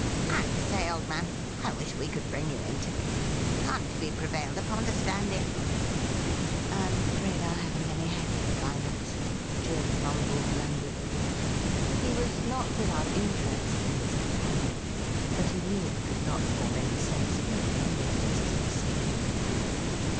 I say, old man, I wish we could bring you into it. Can't you be prevailed upon to stand in T ' I am afraid I haven't any head for finance,' Jim mumbled languidly. He was not without interest in his companion, but he knew he could not form any sensible opinion as to the scheme.